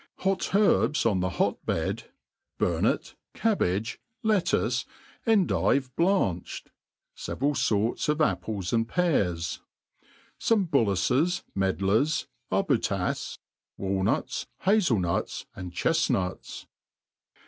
Hot herbs on the hotibcd, burnet, qabbage, lettuce, endive blanched ; feveral forts of apples ^nd pears. Some bullaccs, medlars, arbutas, walnuts, hazel nuts, and chefnuts.